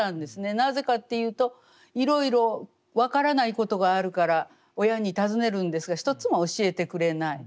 なぜかっていうといろいろ分からないことがあるから親に尋ねるんですが一つも教えてくれない。